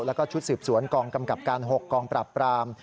แล้วก็ชุดสืบสวนกองกำกับการ๖กองปราบปราม